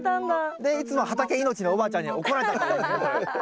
でいつも畑命のおばあちゃんに怒られたというねこれ。